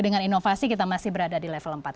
dengan inovasi kita masih berada di level empat